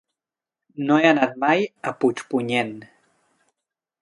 No he anat mai a Puigpunyent.